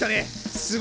すごいよ！